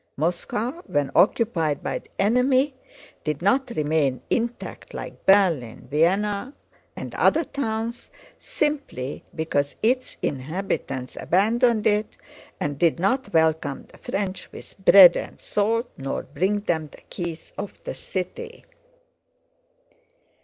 Moscow when occupied by the enemy did not remain intact like Berlin, Vienna, and other towns, simply because its inhabitants abandoned it and did not welcome the French with bread and salt, nor bring them the keys of the city.